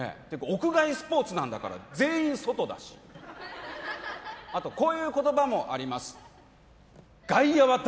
屋外スポーツなんだから全員外だしあとこういう言葉もあります